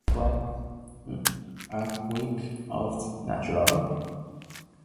Are quick-oats natural?